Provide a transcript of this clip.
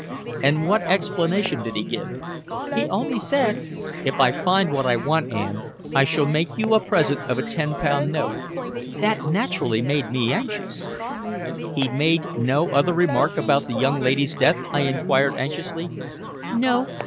"And what explanation did he give?" "He only said, 'If I find what I want, Ann, I shall make you a present of a ten pound note.' That naturally made me anxious." "He made no other remark about the young lady's death?" I inquired anxiously. "No.